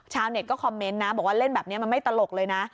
เน็ตก็คอมเมนต์นะบอกว่าเล่นแบบนี้มันไม่ตลกเลยนะ